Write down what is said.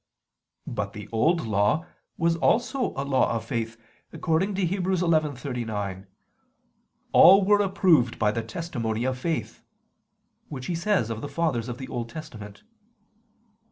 But the Old Law was also a law of faith, according to Heb. 11:39: "All were [Vulg.: 'All these being'] approved by the testimony of faith," which he says of the fathers of the Old Testament.